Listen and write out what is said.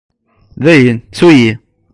Dayen ttu-yi.